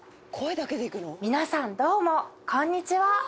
「皆さんどうもこんにちは」